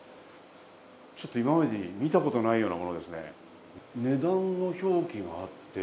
ちょっと今までに見たことがないようなものですね。